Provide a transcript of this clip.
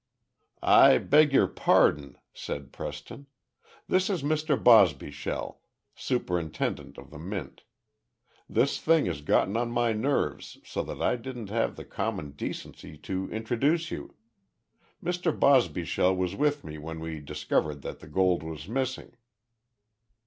"I beg your pardon," said Preston. "This is Mr. Bosbyshell, superintendent of the Mint. This thing has gotten on my nerves so that I didn't have the common decency to introduce you. Mr. Bosbyshell was with me when we discovered that the gold was missing."